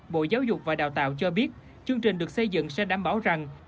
bộ giáo dục và đào tạo cho biết chương trình được xây dựng sẽ đảm bảo rằng